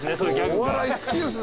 お笑い好きですね。